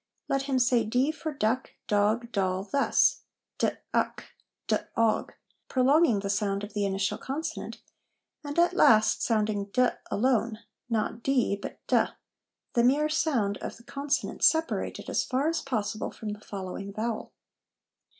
Let him say d for duck, dog, doll, thus : d uck, d og, prolonging the sound of the initial consonant, and at last sounding d alone, not dee, but ?, the mere sound of the consonant separated as far as possible from the following vowel.